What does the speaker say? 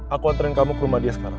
aku antren kamu ke rumah dia sekarang